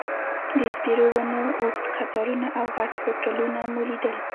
د سپیرو ونو اوږد قطارونه او غټ هوټلونه مو لیدل.